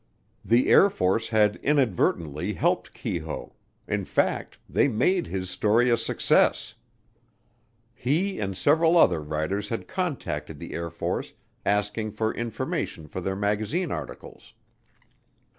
The Air Force had inadvertently helped Keyhoe in fact, they made his story a success. He and several other writers had contacted the Air Force asking for information for their magazine articles.